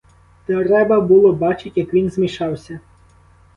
Треба було бачить, як він змішався.